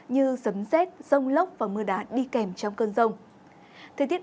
như sấm xét rông lốc và mưa đá đi kèm trong cơn rông